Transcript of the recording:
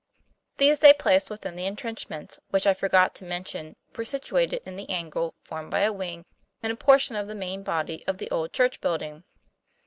These they placed within the intrenchments, which, I forgot to mention, were situated in the angle formed by a wing and a portion of the main body of the "old church building."